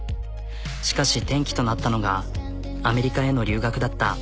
しかし転機となったのがアメリカへの留学だった。